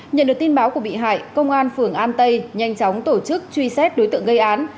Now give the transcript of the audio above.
nhận được tin báo của bị hại công an phường an tây nhanh chóng tổ chức truy xét đối tượng gây án